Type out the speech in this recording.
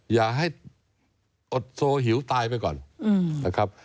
อย่าให้อดโซหิวตายไปก่อนนะครับ